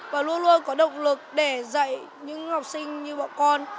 và luôn luôn có động lực để dạy những học sinh như bọn con